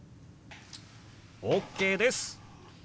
ＯＫです！